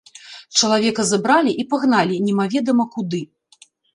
Чалавека забралі і пагналі немаведама куды.